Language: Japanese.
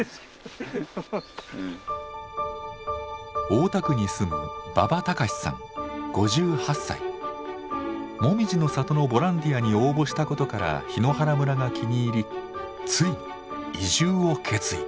大田区に住むもみじの里のボランティアに応募したことから檜原村が気に入りついに移住を決意。